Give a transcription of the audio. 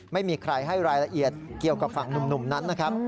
ไม่มีใครให้รายละเอียดเกี่ยวกับฝั่งหนุ่มนั้นนะครับ